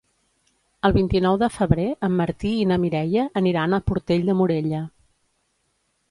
El vint-i-nou de febrer en Martí i na Mireia aniran a Portell de Morella.